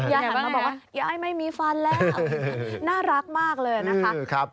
หันมาบอกว่ายายไม่มีฟันแล้วน่ารักมากเลยนะคะ